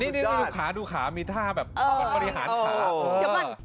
นี่ดูขาดูขามีท่าแบบเออบริหารขาเอออย่างงี้